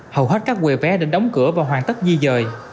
hầu hết các quê vé đã đóng cửa và hoàn tất di dời